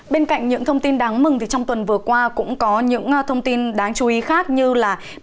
bên cạnh những thông tin đáng mừng thì trong tuần vừa qua cũng có những thông tin đáng chú ý khác như là